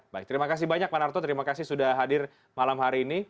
baik terima kasih banyak pak narto terima kasih sudah hadir malam hari ini